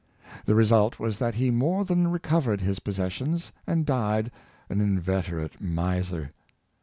The result was that he more than recovered his possessions, and died an inveterate miser.